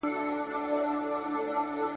بریا یوازې د هڅو پایله ده.